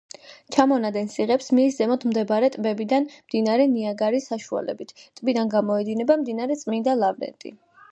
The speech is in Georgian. ჩამონადენს იღებს მის ზემოთ მდებარე ტბებიდან მდინარე ნიაგარის საშუალებით, ტბიდან გამოედინება მდინარე წმინდა ლავრენტი.